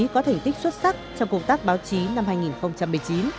có thành tích xuất sắc trong công tác báo chí năm hai nghìn một mươi chín